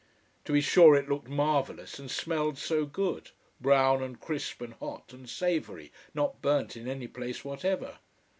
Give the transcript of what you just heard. To be sure it looked marvellous, and smelled so good: brown, and crisp, and hot, and savoury, not burnt in any place whatever.